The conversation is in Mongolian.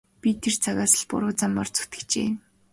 Би тэр цагаас л буруу замаар зүтгэжээ.